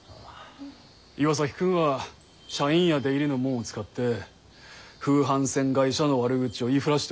岩崎君は社員や出入りのもんを使って風帆船会社の悪口を言いふらしておる。